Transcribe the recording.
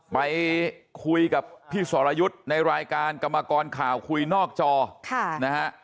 ไปคุยกับพี่สรยุทธ์ในรายการกรรมกรข่าวคุยนอกจอนะฮะ